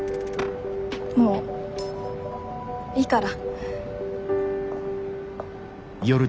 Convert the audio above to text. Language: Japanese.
もういいから。